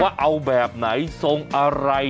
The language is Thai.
ว่าเอาแบบไหนทรงอะไร